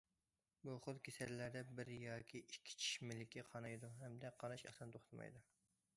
بۇ خىل كېسەللەردە بىر ياكى ئىككى چىش مىلىكى قانايدۇ ھەمدە قاناش ئاسان توختىمايدۇ.